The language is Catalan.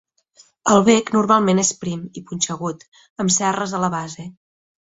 El bec normalment és prim i punxegut, amb cerres a la base.